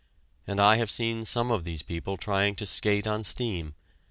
And I have seen some of these people trying to skate on steam.